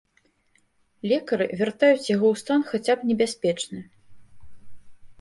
Лекары вяртаюць яго ў стан хаця б небяспечны.